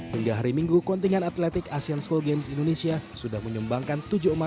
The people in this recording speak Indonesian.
hingga hari minggu kontingen atletik asean school games indonesia sudah menyumbangkan